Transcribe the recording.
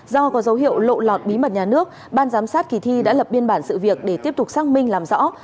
do có dấu hiệu lộ lọt bí mật nhà nước ban giám sát kỳ thi đã lập biên bản sự việc để tiếp tục xác minh làm rõ